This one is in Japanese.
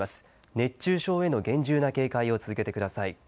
熱中症への厳重な警戒を続けてください。